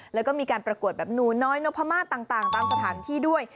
แล้วก็มีการประกวดแบบหนูน้อยนพมาศต่างตามสถานที่ด้วย